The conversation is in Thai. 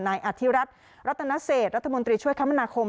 นายอธิรัฐรัตนเศษรัฐมนตรีช่วยคมนาคม